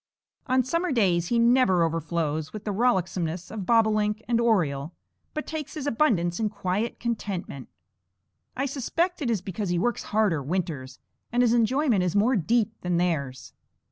On summer days he never overflows with the rollicksomeness of bobolink and oriole, but takes his abundance in quiet contentment. I suspect it is because he works harder winters, and his enjoyment is more deep than theirs.